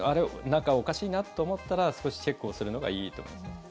なんかおかしいなと思ったら少しチェックをするのがいいと思いますね。